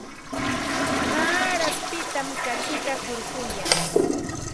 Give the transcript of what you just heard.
Maaraspitam kachita hurquyan.